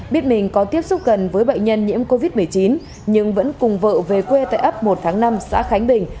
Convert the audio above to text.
biết mình có tiếp xúc gần với bệnh nhân nhiễm covid một mươi chín nhưng vẫn cùng vợ về quê tại ấp một tháng năm xã khánh bình